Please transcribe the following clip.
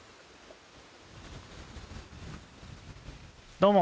どうも。